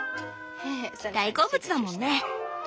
大好物だもんね。